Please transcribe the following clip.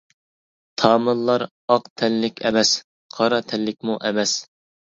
تامىللار ئاق تەنلىك ئەمەس، قارا تەنلىكمۇ ئەمەس.